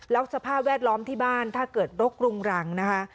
แล้วสภาพแวดล้อมที่บ้านถ้าเกิดรกรุงรังนะคะ